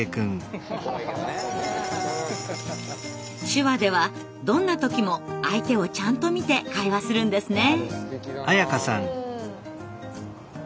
手話ではどんな時も相手をちゃんと見て会話するんですね。